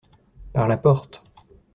Par la porte.